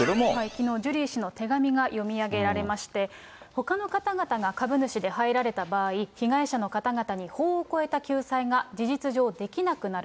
きのう、ジュリー氏の手紙が読み上げられまして、ほかの方々が株主で入られた場合、被害者の方々に法を超えた救済が事実上できなくなる。